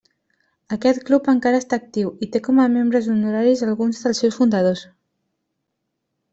Aquest club encara està actiu, i té com a membres honoraris alguns dels seus fundadors.